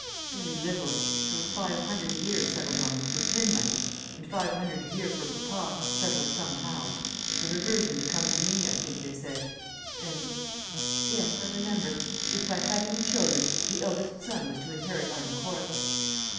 "Very little. There was five hundred a year settled on me for pin money; and five hundred a year for papa, settled somehow. The reversion to come to me, I think they said. And yes, I remember If I had any children, the eldest son was to inherit Arden Court."